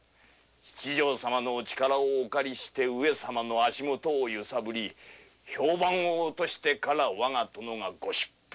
七条様のお力を借りて上様の足元を揺さぶり評判を落としてからわが殿がご出府。